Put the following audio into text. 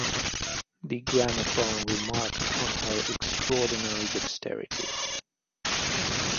"The Gramophone" remarked on her "extraordinary dexterity".